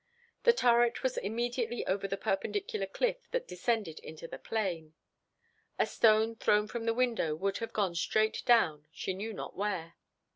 The turret was immediately over the perpendicular cliff that descended into the plain. A stone thrown from the window would have gone straight down, she knew not where.